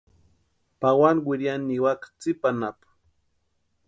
Pawani wiriani niwaka tsipa anapu.